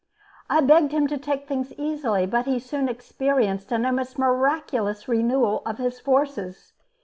I begged him to take things easily, but he soon experienced an almost miraculous renewal of his forces.